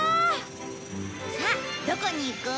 さあどこに行く？